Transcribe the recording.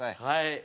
はい。